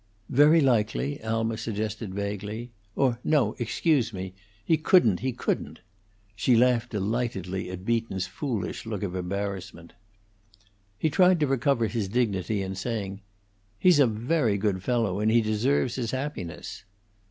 "Very likely," Alma suggested, vaguely. "Or, no! Excuse me! He couldn't, he couldn't!" She laughed delightedly at Beaton's foolish look of embarrassment. He tried to recover his dignity in saying, "He's 'a very good fellow, and he deserves his happiness."